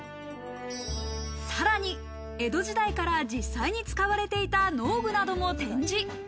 さらに江戸時代から実際に使われていた農具なども展示。